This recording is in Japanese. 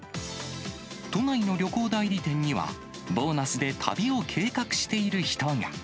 都内の旅行代理店には、ボーナスで旅を計画している人が。